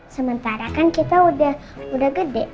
sementara kan kita udah gede